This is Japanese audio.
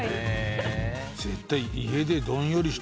絶対。